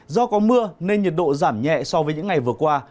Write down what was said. do có mưa nên nhiệt độ giảm nhẹ so với những ngày vừa qua